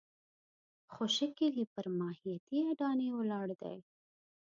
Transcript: خو شکل یې پر ماهیتي اډانې ولاړ دی.